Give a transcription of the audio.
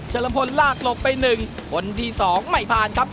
ลำพลลากหลบไป๑คนที่๒ไม่ผ่านครับ